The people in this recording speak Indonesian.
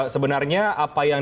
sebenarnya apa yang